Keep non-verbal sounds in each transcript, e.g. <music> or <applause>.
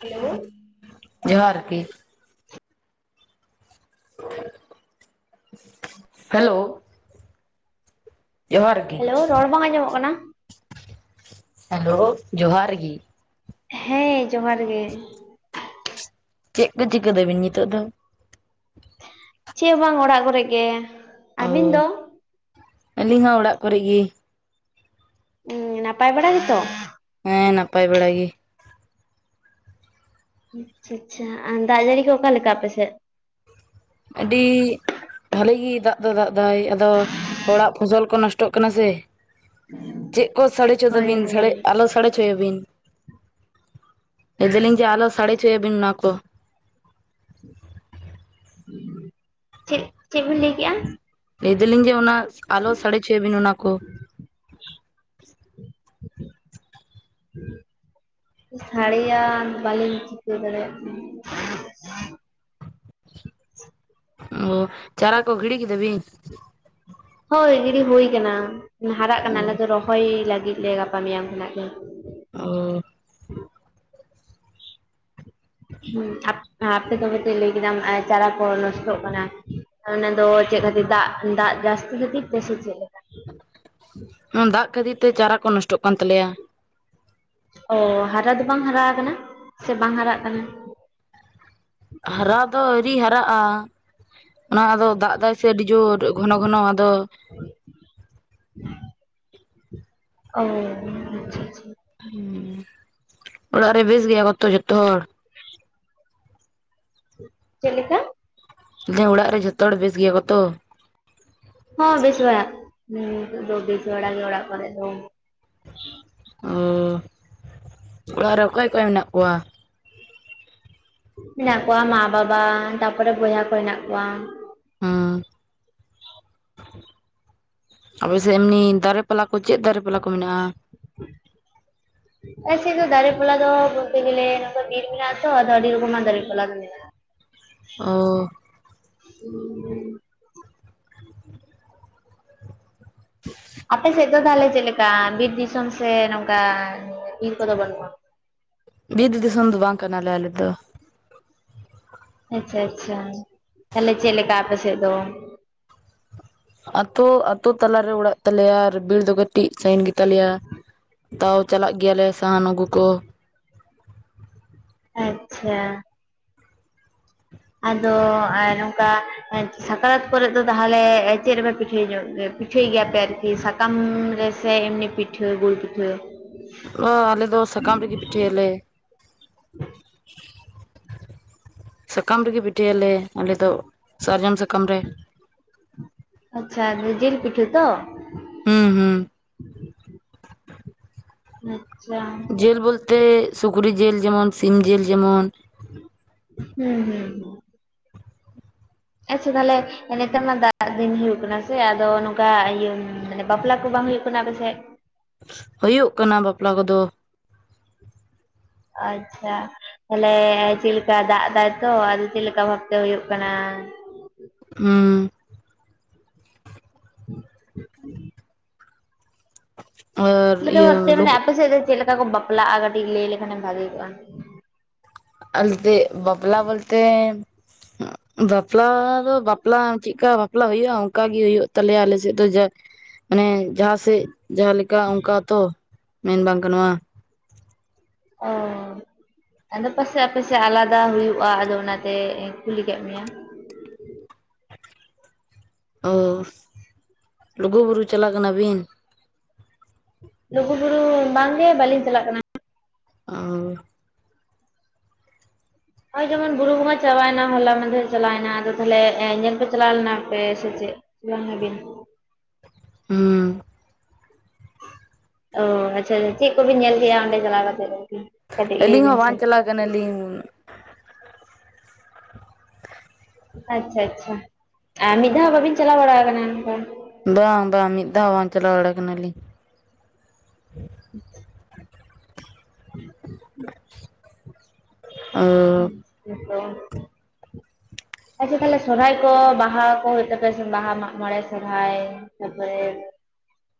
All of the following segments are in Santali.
ᱦᱮᱞᱳ ᱡᱚᱦᱟᱨ ᱜᱮ ᱦᱮᱞᱳ ᱡᱚᱦᱟᱨ ᱜᱮ ᱦᱮᱞᱳ ᱨᱚᱲ ᱵᱟᱝ ᱟᱸᱡᱚᱢᱚᱜ ᱠᱟᱱᱟ ᱾ ᱦᱟ. ᱞᱚ ᱡᱚᱦᱟᱨ ᱜᱮ᱾ ᱦᱮᱸ ᱡᱚᱦᱟᱨ ᱜᱮ ᱾ ᱪᱮᱫ ᱠᱚ ᱪᱤᱠᱟᱹ ᱫᱟᱵᱤᱱ ᱱᱤᱛᱚᱜ ᱫᱚ? ᱪᱮᱫ ᱦᱚ ᱵᱟᱝ ᱚᱲᱟᱜ ᱠᱚᱨᱮ ᱜᱮ ᱚ ᱟᱹᱵᱤᱱ ᱫᱚ ᱟᱹᱞᱤᱧ ᱦᱚᱸ ᱚᱲᱟᱜ ᱠᱚᱨᱮ ᱜᱮ ᱦᱩᱸ ᱱᱟᱯᱟᱭ ᱵᱟᱲᱟ ᱜᱮᱛᱚ ᱦᱮᱸ ᱱᱟᱯᱟᱭ ᱵᱟᱲᱟ ᱜᱮ ᱟᱪᱪᱷᱟ ᱟᱪᱪᱷᱟ ᱫᱟᱜ ᱡᱟᱨᱤ ᱠᱚ ᱚᱠᱟ ᱞᱮᱠᱟ ᱟᱯᱮ ᱥᱮᱫ ᱟᱹᱰᱤ ᱵᱷᱟᱹᱞᱤ ᱜᱮ ᱫᱟᱜ ᱫᱚᱭ ᱫᱟᱜ ᱫᱟᱭ ᱟᱫᱚ ᱦᱚᱲᱟᱜ ᱯᱷᱚᱥᱚᱞ ᱠᱚ ᱱᱚᱥᱴᱚᱜ ᱠᱟᱱᱟ ᱥᱮ ᱪᱮᱫ ᱠᱚ ᱥᱟᱰᱮ ᱦᱟᱪᱚ ᱦᱳᱭ ᱫᱟᱵᱤᱱ ᱦᱳᱭ ᱟᱞᱚ ᱥᱟᱰᱮ ᱦᱚᱪᱚᱭᱟᱵᱤᱱ ᱞᱟᱹᱭ ᱫᱟᱞᱤᱧ ᱡᱮ ᱟᱞᱚ ᱥᱟᱲᱮ ᱦᱚᱪᱚᱭ ᱟᱵᱤᱱ ᱚᱱᱟ ᱠᱚ ᱪᱮᱫ ᱪᱮᱫ ᱵᱤᱱ ᱞᱟᱹᱭ ᱠᱮᱫᱮᱜ-ᱟ ᱞᱟᱹᱭ ᱫᱟᱞᱤᱧ ᱡᱮ ᱚᱱᱟ ᱟᱞᱚ ᱥᱟᱲᱮ ᱦᱚᱪᱚᱭ ᱟᱵᱤᱱ ᱚᱱᱟ ᱠᱚ <inaudible> ᱥᱟᱲᱮᱭᱟ ᱵᱟᱹᱞᱤᱧ ᱪᱤᱠᱟᱹ ᱫᱟᱲᱮᱭᱟᱜ ᱠᱟᱱᱟ ᱚ ᱪᱟᱨᱟ ᱠᱚ ᱜᱤᱲᱤ ᱠᱮᱫᱟ ᱵᱤᱱ ᱦᱳᱭ ᱜᱤᱲᱤ ᱦᱳᱭ ᱠᱟᱱᱟ ᱦᱟᱨᱟᱜ ᱠᱟᱱᱟ ᱟᱞᱮ ᱫᱚ ᱨᱚᱦᱚᱭ ᱞᱟᱹᱜᱤᱫ ᱞᱮ ᱜᱟᱯᱟ ᱢᱮᱭᱟᱝ ᱠᱷᱚᱱᱟᱜ ᱜᱮ ᱚ ᱦᱩ ᱟᱯᱮ ᱫᱚ ᱯᱟᱥᱮᱡ ᱞᱟᱹᱭ ᱠᱮᱫᱟᱢ ᱪᱟᱨᱟ ᱠᱚ ᱱᱚᱥᱴᱚᱜ ᱠᱟᱱᱟ ᱚᱱᱟ ᱫᱚ ᱪᱮᱫ ᱠᱷᱟᱹᱛᱤᱨ ᱫᱟᱜ ᱫᱟᱜ ᱡᱟᱹᱥᱛᱤ ᱠᱷᱟᱹᱛᱤᱨ ᱛᱮ ᱥᱮ ᱪᱮᱫ ᱞᱮᱠᱟ ᱫᱟᱜ ᱠᱷᱟᱹᱛᱤᱨ ᱛᱮ ᱪᱟᱨᱟ ᱠᱚ ᱱᱚᱥᱴᱚᱜ ᱠᱟᱱ ᱛᱟᱞᱮᱭᱟ ᱚ ᱦᱟᱨᱟ ᱫᱚ ᱵᱟᱝ ᱦᱟᱨᱟ ᱟᱠᱟᱱᱟ ᱥᱮ ᱵᱟᱝ ᱦᱟᱨᱟᱜ ᱠᱟᱱᱟ ᱦᱟᱨᱟ ᱫᱚ ᱟᱹᱣᱨᱤ ᱦᱟᱨᱟᱜᱼᱟ ᱚᱱᱟ ᱫᱚ ᱫᱟᱜ ᱫᱟᱭ ᱥᱮ ᱟᱹᱰᱤ ᱡᱳᱨ ᱜᱷᱚᱱᱚ ᱜᱷᱚᱱᱚ ᱟᱫᱚ ᱚ <unintelligible> ᱚᱲᱟᱜ ᱨᱮ ᱵᱮᱥ ᱜᱮᱭᱟ ᱠᱚᱛᱚ ᱡᱚᱛᱚ ᱦᱚᱲ ᱪᱮᱫ ᱞᱮᱠᱟ ᱫᱚ ᱚᱲᱟᱜ ᱨᱮ ᱡᱷᱚᱛᱚ ᱦᱚᱲ ᱵᱮᱥ ᱜᱮᱭᱟ ᱠᱚᱛᱚ ᱦᱚᱸ ᱵᱮᱥ ᱵᱟᱲᱟ ᱫᱚ ᱵᱮᱥ ᱵᱟᱲᱟᱜ ᱜᱮ ᱚᱲᱟᱜ ᱠᱚᱨᱮ ᱫᱚ ᱚ ᱚᱲᱟᱜ ᱨᱮ ᱚᱠᱚᱭ ᱠᱚ ᱢᱮᱱᱟᱜ ᱠᱚᱣᱟ ᱦᱮᱱᱟᱜ ᱠᱚᱣᱟ ᱢᱟ ᱵᱟᱵᱟ ᱛᱟᱨᱯᱚᱨᱮ ᱵᱚᱭᱦᱟ ᱠᱚ ᱦᱮᱱᱟᱜ ᱠᱚᱣᱟ ᱦᱚᱸ ᱟᱯᱮ ᱥᱮ ᱮᱢᱱᱤ ᱫᱟᱨᱮ ᱯᱟᱞᱟ ᱠᱚ ᱪᱮᱫ ᱫᱟᱨᱮ ᱯᱟᱞᱟ ᱠᱚ ᱢᱮᱱᱟᱜᱼᱟ <unintelligible> ᱚᱞᱮᱥᱮᱫ ᱫᱚ ᱫᱟᱨᱮ ᱯᱟᱞᱦᱟ ᱫᱚ ᱵᱚᱞᱛᱮ ᱜᱮᱞᱮ ᱱᱚᱛᱮ ᱵᱤᱨ ᱢᱮᱱᱟᱜ ᱛᱚ ᱟᱫᱚ ᱟᱹᱰᱤ ᱨᱚᱠᱚᱢᱟᱜ ᱫᱟᱨᱮ ᱯᱟᱞᱟ ᱫᱚ ᱢᱮᱱᱟᱜᱼᱟ ᱚ <unintelligible> ᱟᱯᱮ ᱥᱮᱫ ᱫᱚ ᱛᱟᱦᱚᱞᱮ ᱪᱮᱫᱞᱮᱠᱟ ᱵᱤᱨ ᱫᱤᱥᱚᱢ ᱥᱮ ᱱᱚᱝᱠᱟ ᱵᱤᱨ ᱠᱚᱫᱚ ᱵᱟᱹᱱᱩᱜᱼᱟ ᱵᱤᱨ ᱫᱤᱥᱚᱢ ᱫᱚ ᱵᱟᱝ ᱠᱟᱱᱟᱞᱮ ᱟᱞᱮ ᱫᱚ ᱟᱪᱪᱷᱟ ᱟᱪᱪᱷᱟ ᱛᱟᱦᱞᱮ ᱪᱮᱫ ᱞᱮᱠᱟ ᱟᱯᱮᱥᱮᱫ ᱫᱚ ᱟᱛᱳ ᱟᱛᱳ ᱛᱟᱞᱟᱨᱮ ᱚᱲᱟᱜ ᱛᱟᱞᱮᱭᱟ ᱟᱨ ᱵᱤᱨ ᱫᱚ ᱠᱟᱹᱴᱤᱡ ᱥᱟ. ᱜᱤᱧ ᱜᱮᱛᱟᱞᱮᱭᱟ ᱛᱟᱣ ᱪᱟᱞᱟᱜ ᱜᱮᱭᱟᱞᱮ ᱥᱟᱦᱟᱱ ᱟᱹᱜᱩ ᱠᱚ ᱟᱪᱪᱷᱟ ᱟᱫᱚ ᱟᱨ ᱱᱚᱝᱠᱟ ᱥᱟᱠᱨᱟᱛ ᱠᱚᱨᱮ ᱫᱚ ᱛᱟᱦᱞᱮ ᱪᱮᱫ ᱨᱮᱯᱮ ᱯᱤᱴᱷᱟᱹᱭ ᱯᱤᱴᱷᱟᱹᱭ ᱜᱮᱭᱟ ᱯᱮ ᱟᱨᱠᱤ ᱥᱟᱠᱟᱢ ᱨᱮ ᱥᱮ ᱮᱢᱱᱤ ᱯᱤᱴᱷᱟᱹ ᱜᱳᱲ ᱯᱤᱴᱷᱟ. ᱚ ᱟᱞᱮ ᱫᱚ ᱥᱟᱠᱟᱢ ᱨᱮᱜᱮ ᱯᱤᱴᱷᱟᱹᱭ ᱟᱞᱮ ᱥᱟᱠᱟᱢ ᱨᱮᱜᱮ ᱯᱤᱴᱟᱹᱭᱟᱞᱮ ᱟᱞᱮ ᱫᱚ ᱥᱟᱨᱡᱚᱢ ᱥᱟᱠᱟᱢ ᱨᱮ ᱟᱪᱪᱷᱟ ᱡᱤᱞ ᱯᱤᱴᱷᱟᱹ ᱛᱚ ᱩᱸ ᱦᱩᱸ ᱟᱪᱪᱷᱟ ᱡᱥᱞ ᱵᱚᱞᱛᱮ ᱥᱩᱠᱨᱤ ᱡᱤᱞ ᱡᱮᱢᱚᱱ ᱥᱤᱢ ᱡᱤᱞ ᱡᱮᱢᱚᱱ ᱦᱩᱸ ᱦᱩᱸ ᱟᱪᱪᱷᱟ ᱛᱟᱞᱦᱮ ᱱᱮᱛᱟᱨ ᱢᱟ ᱫᱟᱜ ᱫᱤᱱ ᱦᱩᱭᱩᱜ ᱠᱟᱱᱟ ᱥᱮ ᱟᱫᱚ ᱱᱚᱝᱠᱟ ᱤᱭᱟᱹ ᱢᱟᱱᱮ ᱵᱟᱯᱞᱟ ᱠᱚ ᱵᱟᱝ ᱦᱩᱭᱩᱜ ᱠᱟᱱᱟ ᱟᱯᱮ ᱥᱮᱫ ᱦᱩᱭᱩᱜ ᱠᱟᱱᱟ ᱵᱟᱯᱞᱟ ᱠᱚᱫᱚ ᱟᱪᱪᱷᱟ ᱛᱟᱞᱦᱮ ᱪᱮᱞᱮ ᱫᱟᱜ ᱫᱟᱭᱛᱚ ᱟᱫᱚ ᱪᱮᱫ ᱞᱮᱠᱟ ᱵᱷᱟᱵ ᱛᱮ ᱦᱩᱭᱩᱜ ᱠᱟᱱᱟ ᱦᱩᱸ <unintelligible> ᱚ ᱪᱮᱫ ᱞᱮᱠᱟ ᱵᱷᱟᱵ ᱛᱮ ᱢᱟᱱᱮ ᱟᱯᱮ ᱥᱮᱫ ᱫᱚ ᱪᱮᱫ ᱞᱮᱠᱟ ᱠᱚ ᱵᱟᱯᱞᱟᱜᱼᱟ ᱠᱟᱹᱴᱤᱡ ᱞᱟᱹᱭ ᱞᱮᱠᱷᱟᱱᱮᱢ ᱵᱷᱟᱜᱮ ᱠᱚᱜᱼᱟ ᱟᱞᱥᱮᱛ ᱵᱟᱯᱞᱟ ᱵᱚᱞᱛᱮ ᱵᱟᱯᱞᱟ ᱫᱚ ᱵᱟᱯᱞᱟ ᱪᱮᱫᱞᱠᱟ ᱵᱟᱯᱞᱟ ᱦᱩᱭᱩᱜᱼᱟ ᱚᱱᱠᱟ ᱜᱮ ᱦᱩᱭᱩᱜ ᱛᱟᱞᱮᱭᱟ ᱟᱞᱮ ᱥᱮᱫ ᱫᱚ ᱡᱟ ᱢᱟᱱᱮ ᱡᱟᱦᱟᱸ ᱥᱮᱫ ᱡᱟᱦᱟᱸ ᱞᱮᱠᱟ ᱚᱱᱠᱟ ᱛᱚ ᱢᱮᱱ ᱵᱟᱝ ᱜᱟᱱᱚᱜᱼᱟ ᱚ ᱟᱫᱚ ᱯᱟᱥᱮ ᱟᱯᱟᱥᱮᱡ ᱟᱞᱟᱫᱟ ᱦᱩᱭᱩᱜᱼᱟ ᱟᱫᱚ ᱚᱱᱟᱛᱮ ᱤᱧ ᱠᱩᱞᱤ ᱠᱮᱫ ᱢᱮᱭᱟ ᱚ ᱞᱩᱜᱩ ᱵᱩᱨᱩ ᱪᱟᱞᱟ ᱠᱟᱱᱟ ᱵᱤᱱ ᱞᱩᱜᱩ ᱵᱩᱨᱩ ᱵᱟᱝ ᱜᱮ ᱵᱟᱟᱹᱞᱤᱧ ᱪᱟᱞᱟᱜ ᱠᱟᱱᱟ ᱚ ᱦᱳᱭ ᱡᱮᱢᱚᱱ ᱵᱩᱨᱩ ᱵᱚᱸᱜᱟ ᱪᱟᱵᱟᱭᱱᱟ ᱦᱚᱞᱟ ᱢᱟᱫᱷᱮᱨᱮ ᱪᱟᱞᱟᱭᱱᱟ ᱟᱫᱚ ᱛᱟᱦᱚᱞᱮ ᱧᱮᱞ ᱯᱮ ᱪᱟᱞᱟᱣ ᱞᱮᱱᱟ ᱯᱮ ᱥᱮ ᱪᱮᱫ ᱵᱟᱝᱟ ᱜᱮ ᱦᱩᱸ ᱚ ᱟᱪᱪᱷᱟ ᱟᱪᱪᱷᱟ ᱪᱮᱫ ᱠᱚᱵᱤᱱ ᱧᱮᱞ ᱠᱮᱜᱼᱟ ᱚᱸᱰᱮ ᱪᱟᱞᱟᱣ ᱠᱟᱛᱮᱜ ᱟᱨ ᱠᱤ ᱟᱹᱞᱤᱧ ᱦᱚᱸ ᱵᱟᱝ ᱪᱟᱞᱟ ᱠᱟᱱᱟ ᱞᱤᱧ ᱟᱪᱪᱷᱟ ᱟᱪᱪᱷᱟ ᱟ ᱢᱤᱫ ᱫᱷᱟᱣ ᱵᱟᱹᱵᱤᱱ ᱪᱟᱞᱟᱣ ᱵᱟᱲᱟ ᱟᱠᱟᱱᱟ ᱚᱱᱠᱟ ᱵᱟᱝ ᱵᱟᱝ ᱢᱤᱫ ᱫᱷᱟᱣ ᱵᱟᱝ ᱪᱟᱞᱟ ᱵᱟᱲᱟ ᱠᱟᱱᱟ ᱞᱤᱧ <unintelligible> <unintelligible> <unintelligible> ᱚ <unintelligible> <unintelligible> ᱟᱪᱪᱷᱟ ᱛᱟᱞᱦᱮ ᱥᱚᱨᱦᱟᱭ ᱠᱚ ᱵᱟᱦᱟ ᱠᱚ ᱦᱩᱭᱩᱜ ᱛᱟᱯᱮᱭᱟ ᱥᱮ ᱵᱟᱦᱟ ᱢᱟᱜ ᱢᱚᱬᱮ ᱥᱚᱨᱦᱟᱭ ᱛᱟᱯᱚᱨᱮ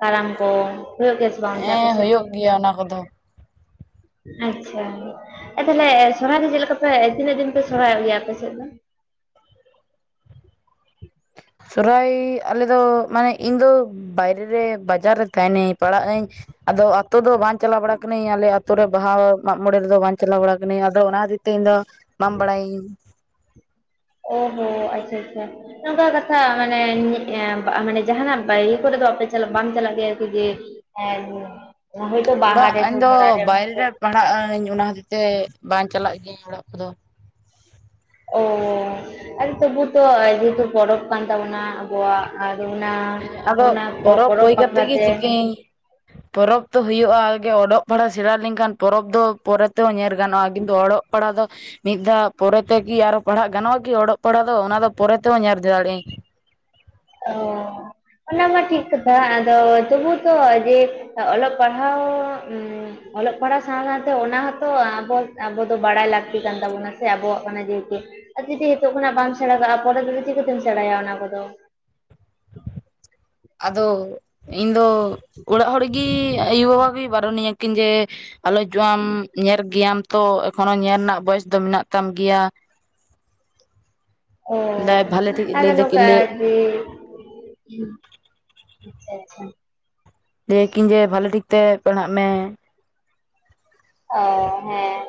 ᱠᱟᱨᱟᱢ ᱠᱚ ᱦᱩᱭᱩᱜ ᱜᱮᱭᱟ ᱥᱮ ᱵᱟᱝ ᱚᱱᱛᱮ ᱟᱯᱮ ᱦᱮᱸ ᱥᱮᱫ ᱦᱳᱭᱳᱜ ᱜᱮᱭᱟ ᱚᱱᱟ ᱠᱚᱫᱚ ᱟᱪᱪᱷᱟ ᱛᱟᱦᱞᱮ ᱥᱚᱨᱦᱟᱭ ᱫᱚ ᱪᱮᱫ ᱞᱮᱠᱟ ᱯᱮ ᱛᱤᱱᱟᱹᱜ ᱫᱤᱱ ᱯᱮ ᱥᱚᱨᱦᱟᱭᱚᱜ ᱜᱮᱭᱟ ᱟᱯᱮ ᱥᱮᱫ ᱫᱚ ᱥᱚᱦᱨᱟᱭ ᱟᱞᱮᱫᱚ ᱢᱟᱱᱮ ᱤᱧ ᱫᱚ ᱵᱟᱭᱨᱮ ᱨᱮ ᱵᱟᱡᱟᱨ ᱨᱮ ᱛᱟᱦᱮᱱᱟᱹᱧ ᱯᱟᱲᱟᱜ ᱟᱹᱧ ᱟᱫᱚ ᱟᱛᱳ ᱫᱚ ᱵᱟᱝ ᱪᱟᱞᱟ ᱵᱟᱲᱟ ᱟᱠᱟᱱᱟᱹᱧ ᱟᱞᱮ ᱟᱛᱳ ᱨᱮ ᱵᱟᱦᱟ ᱢᱟᱜ ᱢᱚᱬᱮ ᱨᱮᱫᱚ ᱵᱟᱝ ᱪᱟᱞᱟ ᱵᱟᱲᱟ ᱟᱠᱟᱱᱟᱹᱧ ᱟᱫᱚ ᱚᱱᱟ ᱦᱚᱛᱤᱨ ᱛᱮ ᱤᱧ ᱫᱚ ᱵᱟᱝ ᱵᱟᱲᱟᱭᱟᱹᱧ ᱚ ᱦᱚᱸ ᱟᱪᱪᱷᱟ ᱟᱪᱪᱷᱟ ᱱᱚᱝᱠᱟ ᱠᱟᱛᱷᱟ ᱢᱟᱱᱮ ᱡᱟᱦᱟᱱᱟᱜ ᱵᱟᱭᱨᱤ ᱠᱚᱨᱮ ᱫᱚ ᱟᱯᱮ ᱪᱟᱞᱟᱜ ᱵᱟᱝ ᱪᱟᱞᱟᱜ ᱜᱮᱭᱟ ᱠᱤ ᱡᱮ ᱦᱮᱸ ᱜᱤ ᱚᱲᱟᱜ ᱤᱧ ᱫᱚ ᱵᱟᱭᱨᱮ ᱨᱮ ᱯᱟᱲᱦᱟᱜ ᱟᱹᱧ ᱚᱱᱟ ᱦᱚᱛᱮᱡ ᱛᱮ ᱵᱟᱝ ᱪᱟᱞᱟᱜ ᱜᱤᱭᱟᱹᱧ ᱚᱲᱟᱜ ᱠᱚᱫᱚ ᱚ ᱛᱚᱵᱩ ᱛᱚ ᱡᱮ ᱦᱮᱛᱩ ᱯᱚᱨᱚᱵᱽ ᱠᱟᱱ ᱛᱟᱵᱚᱱᱟ ᱠᱚᱣᱟᱜ ᱟᱨ ᱚᱱᱟ ᱦᱮᱸ ᱟᱫᱚ ᱚᱱᱟ ᱯᱚᱨᱚᱵᱽ ᱦᱩᱭ ᱵᱟᱠᱷᱨᱟ ᱠᱟᱛᱮᱜ ᱜᱮ ᱛᱮ ᱪᱤᱠᱟᱹᱭᱟᱹᱧ ᱯᱚᱨᱚᱵᱽ ᱫᱚ ᱦᱳᱭᱳᱜ-ᱟ ᱟᱜᱮ ᱚᱞᱚᱜ ᱯᱟᱲᱦᱟᱜ ᱥᱮᱬᱟ ᱞᱮᱱᱠᱷᱟᱱ ᱯᱚᱨᱚᱵᱽ ᱫᱚ ᱯᱚᱨᱮ ᱛᱮᱦᱚ ᱧᱮᱞ ᱜᱟᱱᱚᱜᱼᱟ ᱠᱤᱱᱛᱩ ᱚᱞᱚᱜ ᱯᱟᱲᱦᱟ ᱫᱚ ᱢᱤᱫ ᱫᱷᱟᱣ ᱯᱚᱨᱮ ᱛᱮ ᱠᱤ ᱟᱨᱚ ᱯᱟᱲᱦᱟᱜ ᱜᱟᱱᱚᱜᱼᱟ ᱠᱤ ᱚᱞᱚᱜ ᱯᱟᱲᱦᱟ‌ ᱫᱚ ᱚᱱᱟ ᱫᱚ ᱯᱚᱨᱮ ᱛᱮᱦᱚᱸ ᱧᱮᱞ ᱫᱟᱲᱮᱭᱟᱜ ᱟᱹᱧ ᱚ ᱚᱱᱟ ᱢᱟ ᱴᱷᱤᱠ ᱠᱟᱛᱷᱟ ᱟᱫᱚ ᱛᱚᱵᱩ ᱛᱚ ᱡᱮ ᱚᱞᱚᱜ ᱯᱟᱲᱦᱟᱣ ᱚᱞᱚᱜ ᱯᱟᱲᱦᱟᱣ ᱥᱟᱶ ᱥᱟᱶᱛᱮ ᱚᱱᱟ ᱦᱚᱸᱛᱚ ᱟᱵᱚ ᱟᱵᱚ ᱫᱚ ᱵᱟᱲᱟᱭ ᱞᱟᱹᱠᱛᱤ ᱠᱟᱱ ᱛᱟᱵᱚᱱᱟ ᱥᱮ ᱟᱵᱚᱣᱟᱜ ᱠᱟᱱᱟ ᱡᱮ ᱦᱮᱛᱩ ᱟᱨ ᱡᱩᱫᱤ ᱱᱤᱛᱚᱜ ᱠᱷᱚᱱᱟᱜ ᱵᱟᱢ ᱥᱮᱬᱟ ᱠᱟᱜᱼᱟ ᱯᱚᱨᱮ ᱫᱚ ᱪᱤᱠᱟᱹᱛᱮᱢ ᱥᱮᱬᱟᱭᱟ ᱚᱱᱟ ᱠᱚᱫᱚ ᱟᱫᱚ ᱤᱧ ᱫᱚ ᱚᱲᱟᱜ ᱦᱚᱲᱜᱮ ᱟᱭᱩ ᱵᱟᱵᱟ ᱜᱮ ᱵᱟᱨᱚᱱᱤᱧᱟᱹ ᱠᱤᱱ ᱡᱮ ᱟᱞᱚ ᱡᱚ ᱟᱢ ᱧᱮᱞ ᱜᱮᱭᱟᱢ ᱛᱚ ᱮᱠᱷᱚᱱᱚ ᱧᱮᱞ ᱨᱮᱱᱟᱜ ᱵᱚᱭᱮᱥ ᱫᱚ ᱢᱮᱱᱟᱜ ᱛᱟᱢ ᱜᱮᱭᱟ ᱚᱻ ᱞᱟᱹᱭ ᱵᱷᱟᱞᱮ ᱴᱷᱤᱠ ᱟᱨ ᱞᱟᱹᱭ ᱫᱟᱠᱤᱱ ᱱᱚᱝᱠᱟ ᱞᱟᱹᱭ ᱡᱮ ᱦᱩᱸ ᱟᱪᱪᱷᱟ ᱟᱪᱪᱷᱟ ᱞᱟᱹᱭ ᱟᱠᱤᱱ ᱡᱮ ᱵᱷᱟᱞᱮ ᱴᱷᱤᱠ ᱛᱮ ᱯᱟᱲᱦᱟᱜ ᱢᱮ ᱚᱻ ᱦᱮᱸ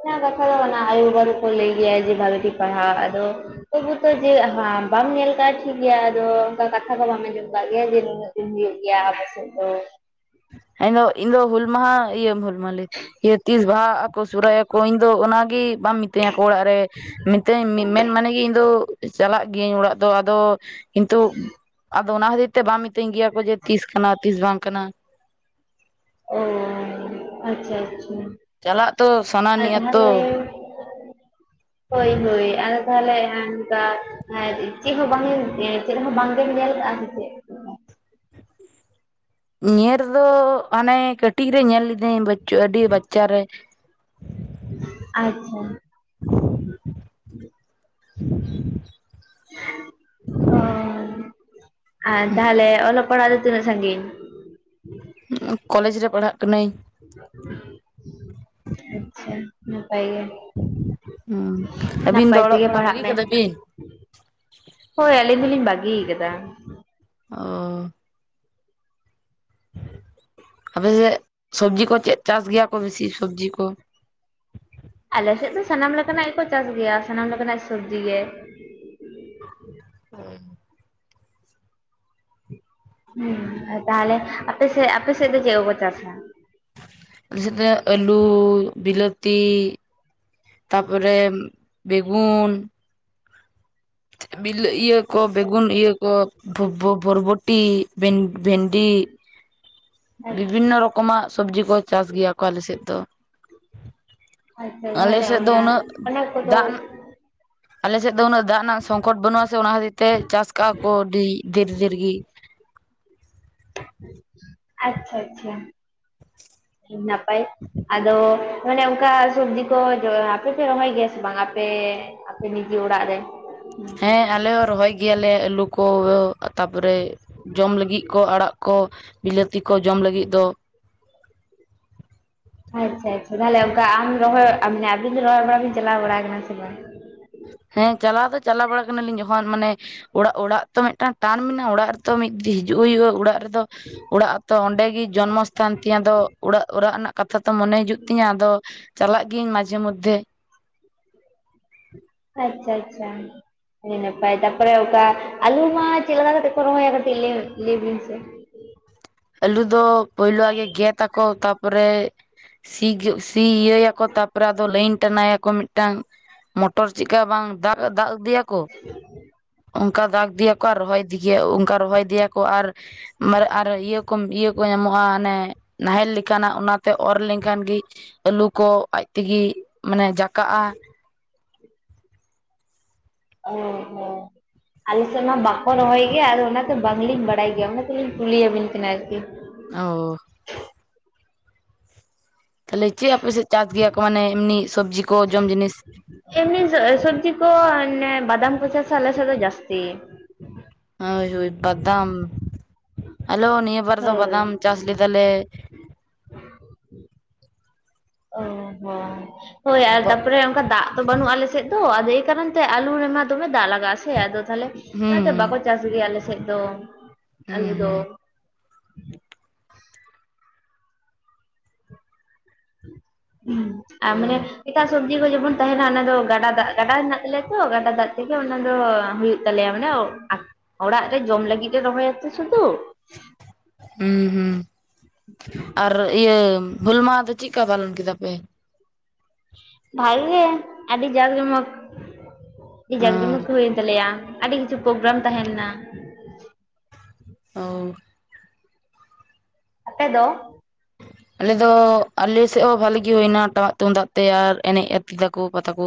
ᱚᱱᱟ ᱠᱟᱛᱷᱟ ᱫᱚ ᱚᱱᱟ ᱟᱭᱳ-ᱵᱟᱵᱟ ᱠᱚ ᱞᱟᱹᱭ ᱜᱮᱭᱟ ᱡᱮ ᱵᱷᱟᱜᱤ ᱴᱷᱤᱠ ᱯᱟᱲᱦᱟᱜ ᱟᱫᱚ ᱛᱚᱵᱩ ᱛᱚ ᱡᱮ ᱟᱦᱟ ᱵᱟᱢ ᱧᱮᱞ ᱠᱟᱭ ᱴᱷᱤᱠ ᱜᱮᱭᱟ ᱟᱫᱚ ᱚᱱᱠᱟ ᱠᱟᱛᱷᱟ ᱠᱚ ᱵᱟᱢ ᱟᱸᱡᱚᱢ ᱫᱟᱲᱮᱭᱟᱜ ᱡᱮ ᱱᱩᱱᱟᱹᱜ <inaudible> ᱦᱩᱭᱩᱜ ᱜᱮᱭᱟ ᱟᱞᱮ ᱥᱮᱫ ᱫᱚ ᱮᱫᱚ ᱤᱧ ᱫᱚ ᱦᱩᱞ ᱢᱟᱦᱟ ᱤᱭᱟᱹ ᱢᱟᱞᱮ ᱛᱤᱥ ᱵᱟᱦᱟ ᱟᱠᱚ ᱥᱚᱨᱦᱟᱭ ᱟᱠᱚ ᱤᱧ ᱫᱚ ᱚᱱᱟᱜᱮ ᱵᱟᱢ ᱢᱤᱛᱟᱹᱧᱟ ᱠᱚ ᱚᱲᱟᱜ ᱨᱮ ᱢᱤᱫ ᱛᱤᱧ ᱢᱮᱱ ᱢᱟᱱᱮ ᱜᱮ ᱤᱧ ᱫᱚ ᱪᱟᱞᱟᱜ ᱜᱤᱭᱟᱹᱧ ᱚᱲᱟᱜ ᱫᱚ ᱟᱫᱚ ᱠᱤᱱᱛᱩ ᱟᱫᱚ ᱚᱱᱟ ᱦᱟᱹᱛᱤᱨ ᱛᱮ ᱵᱟᱝ ᱢᱤᱛᱟᱹᱧ ᱜᱮᱭᱟ ᱠᱚ ᱡᱮ ᱛᱤᱥ ᱠᱟᱱᱟ ᱛᱤᱥ ᱵᱟᱝ ᱠᱟᱱᱟ ᱚᱻ ᱟᱪᱪᱷᱟ ᱟᱪᱪᱷᱟ ᱪᱟᱞᱟᱜ ᱛᱚ ᱥᱟᱱᱟᱱ ᱟᱨ ᱱᱤᱭᱟ ᱛᱚ ᱛᱟᱦᱚᱞᱮ ᱦᱳᱭ ᱦᱳᱭ ᱟᱨ ᱛᱟᱦᱚᱞᱮ ᱱᱚᱝᱠᱟ ᱪᱮᱫ ᱦᱚᱸ ᱵᱟᱝ ᱪᱮᱫ ᱦᱚᱸ ᱵᱟᱝ ᱜᱮᱢ ᱧᱮᱞ ᱠᱟᱜ-ᱟ ᱥᱮ ᱪᱮᱫ ᱧᱮᱞ ᱫᱚ ᱦᱟᱱᱮ ᱠᱟᱹᱴᱤᱡ ᱨᱮ ᱧᱮᱞ ᱞᱤᱫᱟᱹᱧ ᱵᱟᱹᱪᱩᱜ ᱟᱹᱰᱤ ᱵᱟᱪᱪᱟᱨᱮ᱾ ᱟᱪᱪᱷᱟ᱾ <unintelligible> ᱚᱻ ᱟᱨ ᱛᱟᱦᱞᱮ ᱚᱞᱚᱜ ᱯᱟᱲᱦᱟᱜ ᱫᱚ ᱛᱤᱱᱟᱹᱜ ᱥᱟᱺᱜᱤᱧ ᱠᱚᱞᱮᱡᱽ ᱨᱮ ᱯᱟᱲᱦᱟᱜ ᱠᱟᱱᱟᱹᱧ ᱟᱪᱪᱷᱟ ᱱᱟᱯᱟᱭ ᱜᱮ ᱦᱩᱸ ᱟᱹᱵᱤᱱ ᱫᱚ ᱱᱟᱯᱟᱭ ᱚᱞᱚᱜ ᱛᱮᱜᱮ ᱯᱟᱲᱦᱟᱜ ᱵᱟᱹᱜᱤ ᱢᱮ ᱠᱟᱫᱟ ᱵᱤᱱ ᱦᱳᱭ ᱟᱹᱞᱤᱧ ᱫᱚᱞᱤᱧ ᱵᱟᱹᱜᱤᱭ ᱟᱠᱟᱫᱟ ᱚᱻ <unintelligible> ᱟᱯᱮ ᱥᱮᱫ ᱥᱚᱵᱽᱡᱤ ᱠᱚ ᱪᱮᱫ ᱪᱟᱥ ᱜᱮᱭᱟ ᱠᱚ ᱵᱤᱥᱤ ᱥᱚᱵᱽᱡᱤ ᱠᱚ ᱟᱞᱮ ᱥᱮᱫ ᱫᱚ ᱥᱟᱱᱟᱢ ᱞᱮᱠᱟᱱᱟᱜ ᱜᱮᱠᱚ ᱪᱟᱥ ᱜᱮᱭᱟ ᱥᱟᱱᱟᱢ ᱞᱮᱠᱟᱱᱟᱜ ᱥᱚᱵᱽᱡᱤ ᱜᱮ᱾ ᱦᱮᱸ <unintelligible> ᱦᱮᱸ ᱛᱟᱦᱟᱞᱮ ᱟᱯᱮᱥᱮᱫ ᱟᱯᱮᱥᱮᱫ ᱫᱚ ᱪᱮᱫ ᱠᱚᱠᱚ ᱪᱟᱥᱟ? ᱟᱞᱮ ᱥᱮᱫ ᱫᱚ ᱟᱹᱞᱩ ᱵᱤᱞᱟᱹᱛᱤ ᱛᱟᱯᱚᱨᱮ ᱵᱮᱜᱩᱱ ᱵᱤᱞᱟᱹ ᱤᱭᱟᱹ ᱠᱚ ᱟᱪᱪᱷᱟ ᱵᱮᱜᱩᱱ ᱟᱪᱪᱷᱟ᱾ ᱤᱭᱟᱹ ᱠᱚ ᱵᱷᱚᱨ ᱵᱷᱚᱨ ᱵᱷᱚᱨᱵᱚᱴᱤ ᱵᱷᱮᱱ ᱵᱷᱮᱱᱰᱤ ᱟᱪᱪᱷᱟ ᱵᱤᱵᱷᱤᱱᱱᱚ ᱨᱚᱠᱚᱢᱟᱜ ᱥᱚᱵᱽᱡᱤ ᱠᱚ ᱪᱟᱥ ᱜᱮᱭᱟ ᱠᱚ ᱟᱞᱮ ᱥᱮᱫ ᱫᱚ᱾ ᱟᱪᱪᱷᱟ ᱟᱞᱮ ᱛᱟᱦᱚᱞᱮ ᱥᱮᱫ ᱫᱚ ᱚᱱᱟ ᱩᱱᱟᱹᱜ ᱚᱱᱟ ᱠᱚᱫᱚ ᱫᱟᱜ ᱟᱞᱮ ᱥᱮᱫ ᱫᱚ ᱩᱱᱟᱹᱜ ᱫᱟᱜ ᱨᱮᱱᱟᱜ ᱥᱚᱝᱠᱚᱴ ᱵᱟᱹᱱᱩᱜ ᱟᱥᱮ ᱚᱱᱟ ᱠᱷᱟᱹᱛᱤᱨ ᱛᱮ ᱪᱟᱥ ᱠᱟᱜ-ᱟ ᱠᱚ ᱟᱹᱰᱤ ᱰᱷᱮᱨ ᱰᱷᱮᱨᱜᱤ ᱟᱪᱪᱷᱟ ᱟᱪᱪᱷᱟ ᱟᱰᱤ ᱱᱟᱯᱟᱭ ᱟᱫᱚ ᱢᱟᱱᱮ ᱚᱱᱠᱟ ᱥᱚᱵᱽᱡᱤ ᱠᱚ ᱟᱯᱮ ᱯᱮ ᱨᱚᱦᱚᱭ ᱜᱮᱭᱟ ᱥᱮ ᱵᱟᱝ ᱟᱯᱮ ᱟᱯᱮ ᱱᱤᱡᱮ ᱚᱲᱟᱜ ᱨᱮ ᱦᱮᱸ ᱟᱞᱮ ᱦᱚᱸ ᱨᱚᱦᱚᱭ ᱜᱮᱭᱟ ᱞᱮ ᱟᱹᱞᱩ ᱠᱚ ᱛᱟᱯᱚᱨᱮ ᱡᱚᱢ ᱞᱟᱹᱜᱤᱫ ᱠᱚ ᱟᱲᱟᱜ ᱠᱚ ᱵᱤᱞᱟᱹᱛᱤ ᱠᱚ ᱡᱚᱢ ᱞᱟᱹᱜᱤᱫ ᱫᱚ ᱟᱪᱪᱷᱟ ᱟᱪᱪᱷᱟ ᱛᱟᱦᱚᱞᱮ ᱚᱱᱠᱟ ᱟᱢ ᱨᱚᱦᱚᱭ ᱢᱟᱱᱮ ᱟᱵᱤᱱ ᱫᱚ ᱨᱚᱦᱚᱭ ᱵᱟᱲᱟ ᱵᱤᱱ ᱪᱟᱞᱟᱣ ᱵᱟᱲᱟ ᱟᱠᱟᱱᱟ ᱥᱮ ᱵᱟᱝ ᱦᱮᱸ ᱪᱟᱞᱟᱣ ᱫᱚ ᱪᱟᱞᱟᱣ ᱵᱟᱲᱟ ᱠᱟᱱᱟ ᱞᱤᱧ ᱡᱚᱠᱷᱚᱱ ᱢᱟᱱᱮ ᱚᱲᱟᱜ ᱚᱲᱟᱜ ᱛᱚ ᱢᱤᱫᱴᱟᱝ ᱴᱟᱱ ᱢᱮᱱᱟᱜ-ᱟ ᱚᱲᱟᱜ ᱨᱮᱛᱚ ᱢᱤᱫ ᱫᱤᱱ ᱦᱤᱡᱩᱜ ᱦᱩᱭᱩᱜ-ᱟ ᱚᱲᱟᱜ ᱨᱮᱫᱚ <unintelligible> ᱟᱛᱚ ᱚᱸᱰᱮ ᱜᱮ ᱡᱚᱱᱢᱚᱥᱛᱷᱟᱱ ᱛᱤᱧ ᱟᱫᱚ ᱚᱲᱟᱜ ᱚᱲᱟᱜ ᱨᱮᱱᱟᱜ ᱠᱟᱛᱷᱟ ᱛᱚ ᱢᱚᱱᱮ ᱦᱤᱡᱩᱜ ᱛᱤᱧᱟ ᱟᱫᱚ ᱪᱟᱞᱟᱜ ᱜᱤᱭᱟᱹᱧ ᱢᱟᱡᱷᱮ ᱢᱚᱫᱽᱫᱷᱮ ᱟᱪᱪᱷᱟ ᱟᱪᱪᱷᱟ ᱦᱮ ᱱᱟᱯᱟᱭ ᱛᱟᱯᱚᱨᱮ ᱚᱠᱟ ᱟᱞᱩ ᱢᱟ ᱪᱮᱫ ᱞᱮᱠᱟ ᱠᱟᱛᱮ ᱠᱚ ᱨᱚᱦᱚᱭᱟ ᱠᱟᱹᱴᱤᱡ ᱞᱟᱹᱭ ᱵᱤᱱ ᱥᱮ? ᱟᱹᱞᱩ ᱫᱚ ᱯᱳᱭᱞᱳ ᱜᱮᱫ ᱟᱠᱚ ᱛᱟᱯᱚᱨᱮ ᱥᱤ ᱥᱤ ᱤᱭᱟᱹᱭᱟᱠᱚ ᱛᱟᱯᱚᱨᱮ ᱟᱫᱚ ᱞᱟᱹᱭᱤᱱ ᱴᱟᱱᱟᱭᱟᱠᱚ ᱢᱤᱫᱴᱟᱝ ᱢᱚᱴᱚᱨ ᱪᱮᱫᱠᱟ ᱵᱟᱝ ᱫᱟ ᱫᱟᱜ ᱤᱫᱤᱭᱟᱠᱚ ᱚᱱᱠᱟ ᱫᱟᱜ ᱤᱫᱤᱭᱟᱠᱚ ᱟᱨ ᱨᱚᱦᱚᱭ ᱫᱤ ᱚᱱᱠᱟ ᱨᱚᱦᱚᱭ ᱤᱫᱤᱭᱟᱠᱚ ᱟᱨ ᱤᱭᱟᱹ ᱠᱚ ᱧᱟᱢᱚᱜᱼᱟ, ᱚᱱᱮ ᱱᱟᱦᱮᱞ ᱞᱮᱠᱟᱱᱟᱜ ᱚᱱᱟ ᱛᱮ ᱚᱨ ᱞᱮᱱᱠᱷᱟᱱ ᱜᱮ ᱟᱹᱞᱩ ᱠᱚ ᱟᱡ ᱛᱮᱜᱮ ᱢᱟᱱᱮ ᱡᱟᱠᱟᱜᱼᱟ᱾ ᱚᱸᱻ ᱦᱸᱻ᱾ ᱟᱞᱮ ᱥᱮᱫ ᱢᱟ ᱵᱟᱠᱚ ᱨᱚᱦᱚᱭ ᱜᱮᱭᱟ ᱟᱫᱚ ᱚᱱᱟᱛᱮ ᱵᱟᱝᱞᱤᱧ ᱵᱟᱲᱟᱭ ᱜᱮᱭᱟ ᱚᱱᱟ ᱛᱮᱞᱤᱧ ᱠᱩᱞᱤᱭᱮᱵᱤᱱ ᱠᱟᱱᱟ ᱟᱨᱠᱤ᱾ ᱚᱳ ᱛᱟᱦᱚᱞᱮ ᱪᱮᱫ ᱟᱯᱮ ᱥᱮᱫ ᱪᱟᱥ ᱜᱮᱭᱟ ᱠᱚ ᱢᱟᱱᱮ ᱮᱢᱱᱤ ᱥᱚᱵᱽᱡᱤ ᱠᱚ ᱡᱚᱢ ᱡᱤᱱᱤᱥ ᱮᱢᱱᱤ ᱥᱚᱵᱽᱡᱤ ᱠᱚ ᱚᱱᱮ ᱵᱟᱫᱟᱢ ᱠᱚ ᱪᱟᱥᱟ ᱟᱞᱮᱥᱮᱫ ᱫᱚ ᱡᱟᱹᱥᱛᱤ᱾ ᱦᱳᱭ ᱦᱳᱭ ᱵᱟᱫᱟᱢ ᱟᱞᱮ ᱦᱚ ᱱᱤᱭᱟᱹ ᱵᱟᱨ ᱫᱚ ᱦᱳᱭ ᱵᱟᱫᱟᱢ ᱪᱟᱥ ᱞᱮᱫᱟᱞᱮ᱾ ᱚ ᱦᱚᱸ ᱦᱳᱭ ᱟᱨ ᱛᱟᱯᱚᱨᱮ ᱚᱱᱠᱟ ᱫᱟᱜ ᱛᱚ ᱵᱟᱹᱱᱩᱜᱼᱟ ᱟᱞᱮᱥᱮᱫ ᱫᱚ ᱟᱫᱚ ᱮ ᱠᱟᱨᱚᱱ ᱱᱚᱛᱮ ᱟᱹᱞᱩ ᱨᱮᱢᱟ ᱫᱚᱢᱮ ᱫᱟᱜ ᱞᱟᱜᱟᱜᱼᱟ, ᱥᱮ ᱟᱫᱚ ᱛᱟᱦᱚᱞᱮ ᱚᱱᱟᱛᱮ ᱵᱟᱠᱚ ᱦᱩᱸ ᱪᱟᱥ ᱜᱮᱭᱟ ᱟᱞᱮ ᱥᱮᱫ ᱫᱚ᱾ ᱦᱩᱸ ᱟᱹᱞᱩ ᱫᱚ᱾ ᱦᱩᱸ ᱦᱩ ᱟᱨ ᱚ ᱢᱟᱱᱮ ᱮᱴᱟᱜ ᱥᱚ ᱥᱚᱵᱡᱤ ᱠᱚ ᱡᱮᱢᱚᱱ ᱛᱟᱦᱮᱸᱱᱟ ᱚᱱᱟ ᱫᱚ, ᱜᱟᱰᱟ ᱫᱟᱜ ᱜᱟᱰᱟ ᱦᱮᱱᱟᱜ ᱛᱟᱞᱮᱭᱟ ᱛᱚ ᱜᱟᱰᱟ ᱫᱟᱜ ᱛᱮᱜᱮ ᱚᱱᱟ ᱫᱚ ᱦᱩᱭᱩᱜ ᱛᱟᱞᱮᱭᱟ ᱢᱟᱱᱮ ᱚᱲᱟᱜ ᱨᱮ ᱡᱚᱢ ᱞᱟᱹᱜᱤᱫ ᱞᱮ ᱨᱚᱦᱚᱭᱟᱛᱚ ᱥᱩᱫᱩ᱾ ᱦᱩᱸᱻ ᱦᱩᱸᱻ ᱟᱨ ᱤᱭᱟᱹ ᱦᱩᱞ ᱢᱟᱦᱟ ᱫᱚ ᱪᱮᱫᱠᱟ ᱯᱟᱞᱚᱱ ᱠᱮᱫᱟ ᱯᱮ? ᱵᱷᱟᱜᱤ ᱜᱮ ᱟᱹᱰᱤ ᱡᱟᱠ ᱡᱚᱢᱚᱠ ᱟᱹᱰᱤ ᱡᱟᱠ ᱡᱚᱢᱚᱠ ᱦᱩᱭᱮᱱ ᱛᱟᱞᱮᱭᱟ᱾ ᱟᱹᱰᱤ ᱠᱤᱪᱷᱩ ᱯᱨᱳᱜᱨᱟᱢ ᱛᱟᱦᱮᱸ ᱞᱮᱱᱟ᱾ ᱚᱻ᱾ ᱟᱯᱮ ᱫᱚ? ᱟᱞᱮ ᱫᱚ ᱟᱞᱮ ᱥᱮᱫ ᱦᱚᱸ ᱵᱷᱟᱞᱮᱜ ᱜᱮ ᱦᱩᱭᱱᱟ ᱴᱟᱢᱟᱠ ᱛᱩᱢᱫᱟᱜ ᱛᱮ ᱟᱨ ᱮᱱᱮᱡ ᱟᱛᱮ ᱯᱟᱛᱟ ᱠᱚ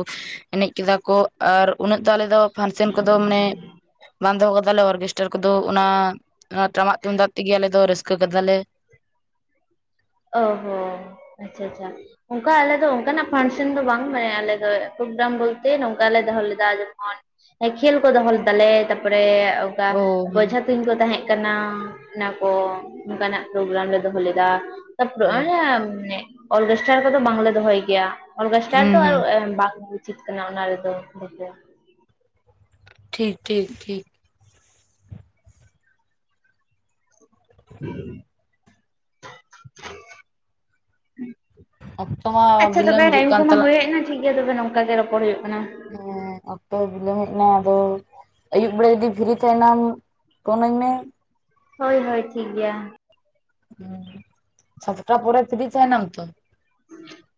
ᱮᱱᱮᱡ ᱠᱮᱫᱟ ᱠᱚ ᱟᱨ ᱩᱱᱟᱹᱜ ᱫᱚ ᱟᱞᱮ ᱫᱚ ᱯᱷᱟᱱᱥᱮᱱ ᱠᱚᱫᱚ ᱢᱟᱱᱮ ᱵᱟᱸᱫᱷᱚ ᱠᱟᱫᱟᱞᱮ ᱚᱨᱜᱮᱥᱴᱟᱨ ᱠᱚᱫᱚ ᱚᱱᱟ ᱴᱟᱢᱟᱠ ᱛᱩᱢᱫᱟᱜ ᱛᱮᱜᱮ ᱟᱞᱮ ᱫᱚ ᱨᱟᱹᱥᱠᱟᱹ ᱠᱟᱫᱟᱞᱮ᱾ ᱚ ᱦᱮᱸ ᱟᱪᱪᱷᱟᱻ ᱟᱪᱪᱷᱟᱻ᱾ ᱚᱱᱠᱟ ᱟᱞᱮ ᱫᱚ ᱚᱱᱠᱟᱱᱟᱜ ᱯᱷᱟᱱᱥᱮᱱ ᱫᱚ ᱵᱟᱝ ᱢᱟᱱᱮ ᱟᱞᱮ ᱫᱚ ᱯᱨᱳᱜᱨᱟᱢ ᱵᱚᱞᱛᱮ ᱱᱚᱝᱠᱟᱞᱮ ᱫᱚᱦᱚ ᱞᱮᱫᱟ ᱡᱮᱢᱚᱱ ᱠᱷᱮᱞ ᱠᱚ ᱫᱚᱦᱚ ᱞᱮᱫᱟᱞᱮ ᱛᱟᱨᱯᱚᱨᱮ ᱚᱱᱠᱟ ᱚ ᱦᱮᱸ ᱵᱚᱡᱷᱟ ᱛᱩᱧ ᱠᱚ ᱛᱟᱦᱮᱸ ᱠᱟᱱᱟ ᱚᱱᱟ ᱠᱚ ᱚᱱᱠᱟᱱᱟᱜ ᱯᱨᱳᱜᱨᱟᱢ ᱞᱮ ᱫᱚᱦᱚ ᱞᱮᱫᱟ᱾ ᱚ ᱛᱟᱯᱚᱨᱮ ᱚᱨᱜᱮᱥᱴᱟᱨ ᱠᱚᱫᱚ ᱵᱟᱝᱞᱮ ᱫᱚᱦᱚᱭ ᱜᱮᱭᱟ ᱚᱨᱜᱮᱥᱴᱟᱨ ᱦᱩᱸ ᱫᱚ ᱟᱨ ᱦᱩᱸ ᱵᱟᱝᱠᱚ ᱩᱪᱤᱛ ᱠᱟᱱᱟ ᱚᱱᱟ ᱨᱮᱫᱚ ᱴᱷᱤᱠ ᱴᱷᱤᱠ ᱴᱷᱤᱠ ᱦᱩᱸ ᱚᱠᱛᱚ ᱢᱟ <inaudible> ᱟᱪᱪᱷᱟ ᱵᱤᱞᱚᱢ ᱛᱚᱵᱮ ᱦᱤᱡᱩᱜ ᱴᱟᱭᱤᱢ ᱠᱟᱱ ᱠᱚᱢᱟ ᱛᱟᱞᱟᱝ ᱦᱳᱭᱦᱮᱡᱮᱲᱟ ᱴᱷᱤᱠᱜᱮᱭᱟ ᱛᱚᱵᱮ ᱱᱚᱝᱠᱟ ᱜᱮ ᱨᱚᱯᱚᱲ ᱦᱩᱭᱩᱜ ᱠᱟᱱᱟ᱾ ᱦᱮᱸ ᱚᱠᱛᱚ ᱦᱚ ᱵᱤᱞᱚᱢ ᱦᱮᱡ ᱱᱟ, ᱟᱫᱚ ᱟᱹᱭᱩᱵ ᱵᱮᱲᱟ ᱡᱚᱫᱤ ᱯᱷᱤᱨᱤ ᱛᱮᱦᱮᱱᱟᱢ ᱯᱷᱳᱱ ᱟᱹᱧᱢᱮ᱾ ᱦᱳᱭ ᱦᱳᱭ ᱴᱷᱤᱠ ᱜᱮᱭᱟ᱾ ᱦᱸ ᱥᱟᱛᱴᱟ ᱯᱚᱨᱮ ᱯᱷᱤᱨᱤ ᱛᱟᱦᱮᱱᱟᱢ ᱛᱚ? <inaudible>